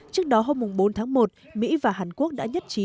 trước đó hôm bốn tháng một mỹ và hàn quốc đã nhất trí